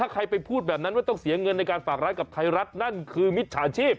ใครไปพูดแบบนั้นว่าต้องเสียเงินในการฝากร้านกับไทยรัฐนั่นคือมิจฉาชีพ